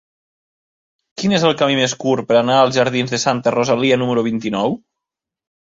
Quin és el camí més curt per anar als jardins de Santa Rosalia número vint-i-nou?